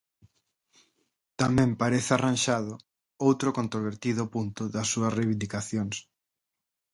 Tamén parece arranxado outro controvertido punto das súas reivindicacións.